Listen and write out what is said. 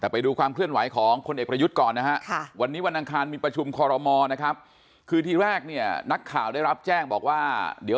เพื่อที่แรกเนี่ยนักข่าวได้รับแจ้งบอกว่า